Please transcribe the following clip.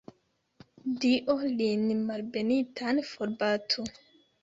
Dio lin malbenitan forbatu!